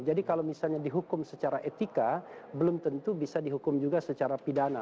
jadi kalau misalnya dihukum secara etika belum tentu bisa dihukum juga secara pidana